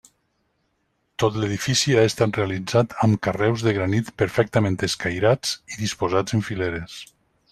Tot l'edifici ha estat realitzat amb carreus de granit perfectament escairats i disposats en fileres.